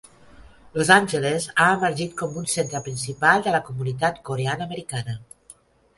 Los Angeles ha emergit com un centre principal de la comunitat coreana-americana.